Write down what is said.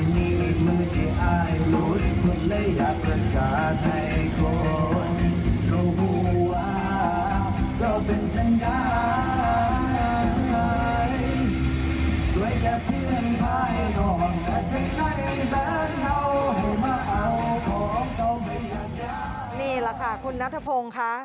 นี่แหละค่ะคุณนัทพงศ์ค่ะ